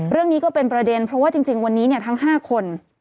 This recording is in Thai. เรื่องนี้ก็เป็นประเด็นเพราะว่าจริงวันนี้ทั้ง๕คน